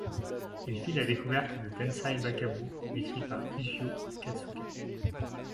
Il fit la découverte de Tensai Bakabo, écrit par Fujio Akatsuka.